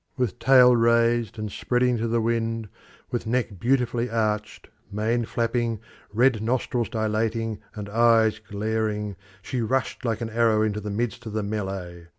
With tail raised and spreading to the wind, with neck beautifully arched, mane flapping, red nostrils dilating, and eyes glaring, she rushed like an arrow into the midst of the melee.